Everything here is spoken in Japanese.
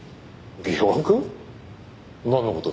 なんの事だ。